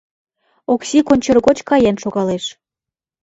Окси кончер гоч каен шогалеш.